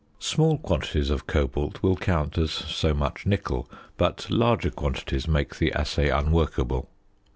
Small quantities of cobalt will count as so much nickel, but larger quantities make the assay unworkable.